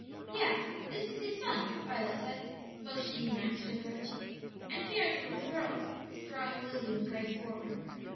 "Yes; this is his son," Violet said, motioning Max to approach; "and here are the little girls," drawing Lulu and Grace forward.